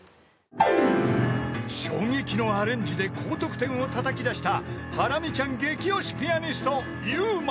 ［衝撃のアレンジで高得点をたたき出したハラミちゃん激推しピアニストｙｕｍａ］